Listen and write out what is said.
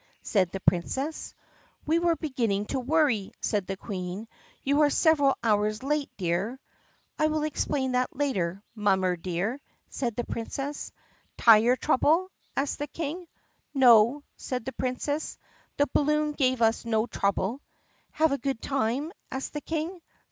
said the Princess. "We were beginning to worry," said the Queen. "You are several hours late, dear." "I will explain that later, mommer dear," said the Princess. "Tire trouble?" asked the King. "No," said the Princess, "the balloon gave us no trouble." "Have a good time?" asked the King.